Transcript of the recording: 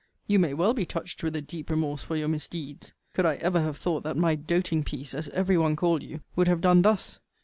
You may well be touched with a deep remorse for your misdeeds. Could I ever have thought that my doting piece, as every one called you, would have done thus?